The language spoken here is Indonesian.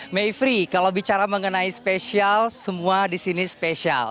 mayfrey kalau bicara mengenai spesial semua di sini spesial